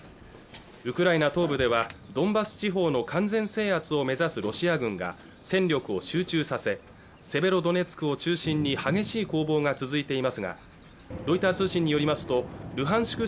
ウクライナ東部ではドンバス地方の完全制圧を目指すロシア軍が戦力を集中させセベロドネツクを中心に激しい攻防が続いていますがロイター通信によりますとルハンシク